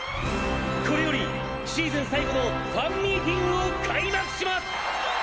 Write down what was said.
これよりシーズン最後のファンミーティングを開幕します！